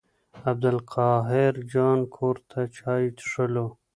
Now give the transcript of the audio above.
عبدالقاهر جان کور ته چای څښلو.